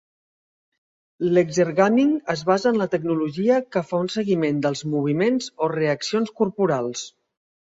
L'exergaming es basa en la tecnologia que fa un seguiment dels moviments o reaccions corporals.